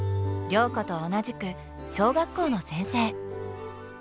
良子と同じく小学校の先生。